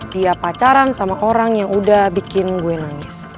dia pacaran sama orang yang udah bikin gue nangis